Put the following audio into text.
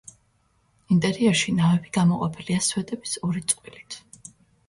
ინტერიერში ნავები გამოყოფილია სვეტების ორი წყვილით.